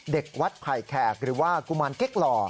เด็กวัดไผ่แขกหรือว่ากุมารเก๊กหล่อ